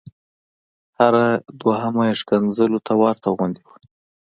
هره دویمه یې ښکنځل ته ورته غوندې وه.